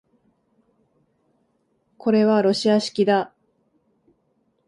これはロシア式だ